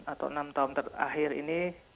atau enam tahun terakhir ini